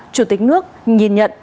chủ tịch nước nhìn nhận